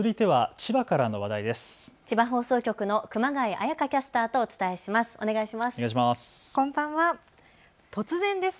千葉放送局の熊谷彩花キャスターとお伝えします。